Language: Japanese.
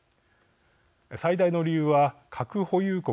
最大の理由は核保有国